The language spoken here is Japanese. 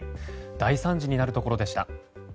大惨事になるところでした。